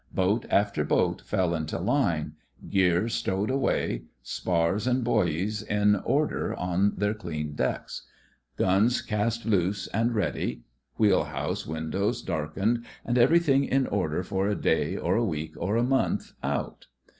Boat after boat fell into line — gear stowed 34 THE FRINGES OF THE FLEET away; spars and buoys in order on their clean decks; guns cast loose and ready; wheel house windows dark ened, and everything in order for a day or a week or a month out.